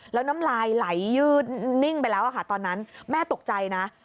แล้วน้ำลายไหลยืดนิ่งไปแล้วค่ะตอนนั้นแม่ตกใจนะ